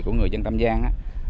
của người dân tam giang